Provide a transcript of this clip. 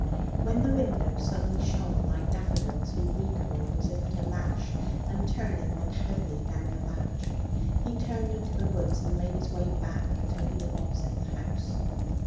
When the window suddenly shone like daffodils, he recoiled as if at a lash, and, turning, went heavily down the batch. He turned into the woods, and made his way back till he was opposite the house.